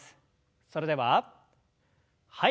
それでははい。